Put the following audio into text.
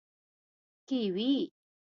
🥝 کیوي